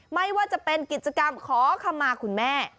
ไม่ว่าจะเป็นกิจกรรมขอคำมาคุณแม่